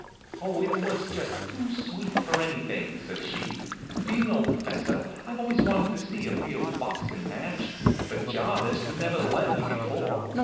"Oh, it was just too sweet for anything!" says she. "Do you know, professor, I've always wanted to see a real boxing match; but Jarvis would never let me before.